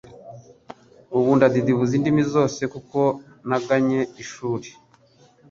ubu ndadidibuza indimi zose kuko nagannye ishuri